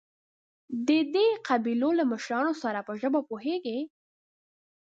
دی د قبيلو له مشرانو سره په ژبه پوهېږي.